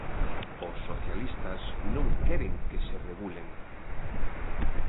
Os socialistas non queren que se regulen.